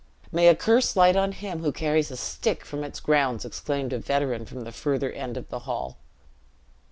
"May a curse light on him who carries a stick from its grounds!" exclaimed a veteran, from the further end of the hall.